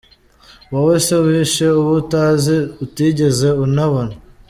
Wowe se wishe uwo utazi utigeze unabona